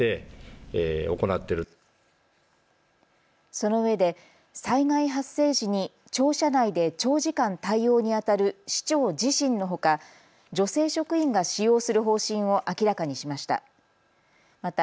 そのうえで災害発生時に庁舎内で長時間対応にあたる市長自身のほか女性職員が使用する方針を明らかにしました。